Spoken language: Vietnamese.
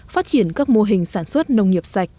phát triển các mô hình sản xuất nông nghiệp sạch